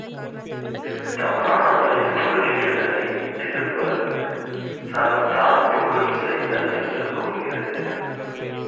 தவறான வழியில் பொருளீட்டுதலைத் திருக்குறள், சலத்தால் பொருள் செய்தல் என்று கூறுகிறது.